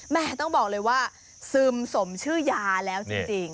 ต้องบอกเลยว่าซึมสมชื่อยาแล้วจริง